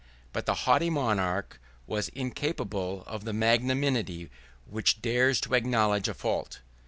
But the haughty monarch was incapable of the magnanimity which dares to acknowledge a fault.